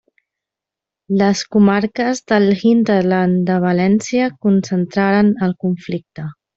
Les comarques del hinterland de València concentraren el conflicte.